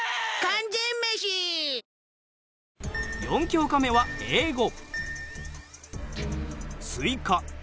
４教科目は英語。